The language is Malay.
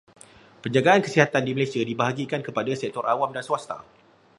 Penjagaan kesihatan di Malaysia dibahagikan kepada sektor swasta dan awam.